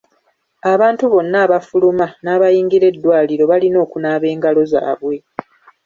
Abantu bonna abafuluma n'abayingira eddwaliro balina okunaaba engalo zaabwe.